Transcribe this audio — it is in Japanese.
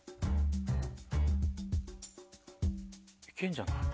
いけんじゃない？